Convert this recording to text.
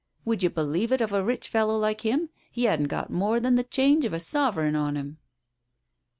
Would you believe it of a rich fellow like him, he hadn't got more than the change of a sovereign on him."